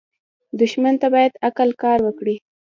دښمن ته باید عقل کار وکړې